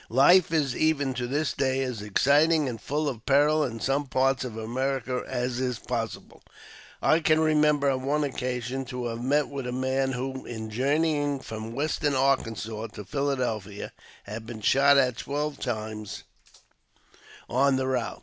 Life is, even to this day, as exciting and full of peril in some parts of America as is possible. I can remember on one occasion to have met with a man who, in journeying from Western Arkansas to Philadelphia, had been shot at twelve times on the route.